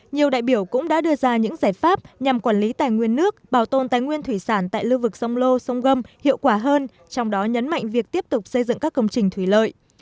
nhiều đại biểu cũng đã đưa ra những giải pháp nhằm quản lý tài nguyên nước bảo tồn tài nguyên thủy sản tại lưu vực sông lô sông gâm hiệu quả hơn trong đó nhấn mạnh việc tiếp tục xây dựng các công trình thủy lợi